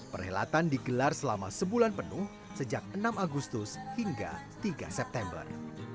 perhelatan digelar selama sebulan penuh sejak enam agustus hingga tiga september